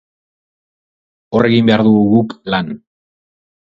Hor egin behar dugu guk lan.